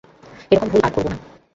এ রকম ভুল আর করব না।